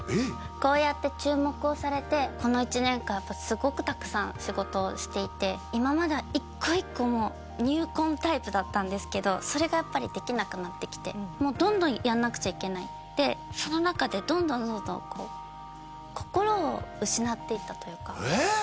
こうやって注目をされてこの１年間やっぱすごくたくさん仕事をしていて今までは一個一個もう入魂タイプだったんですけどそれがやっぱりできなくなってきてもうどんどんやんなくちゃいけないその中でどんどんそのこうえっまた？